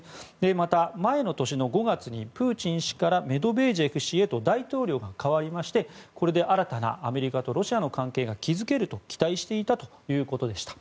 また、前の年の５月にプーチン氏からメドベージェフ氏へと大統領が代わりましてこれで新たなアメリカとロシアの関係が築けると期待していたというわけでした。